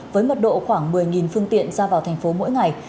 với mật độ khoảng một mươi phương tiện ra vào thành phố mỗi ngày